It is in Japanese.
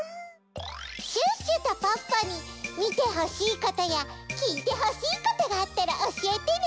シュッシュとポッポにみてほしいことやきいてほしいことがあったらおしえてね！